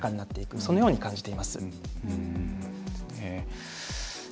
そのように感じています。